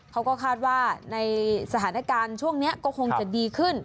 เขาก็คาดว่าในสถานการณ์ช่วงนี้ก็คงจะดีขึ้น